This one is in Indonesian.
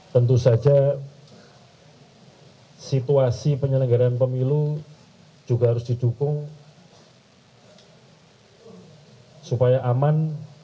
tentu saja situasi penyelenggaraan pemilu juga harus didukung supaya aman